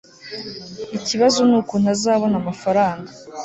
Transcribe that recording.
ikibazo nukuntu azabona amafaranga